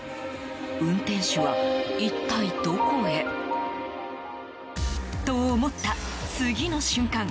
運転手は一体どこへ？と思った、次の瞬間。